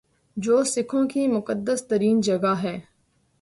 جو سکھوں کی مقدس ترین جگہ ہے